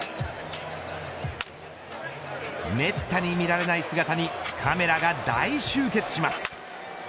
めったに見られない姿にカメラが大集結します。